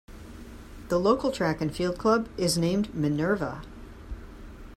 The local track and field club is named Minerva.